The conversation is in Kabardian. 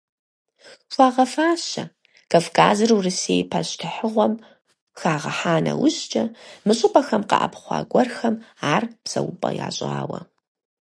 Хуагъэфащэ, Кавказыр Урысей пащтыхьыгъуэм хагъэхьа нэужькӀэ, мы щӀыпӀэхэм къэӀэпхъуа гуэрхэм ар псэупӀэ ящӀауэ.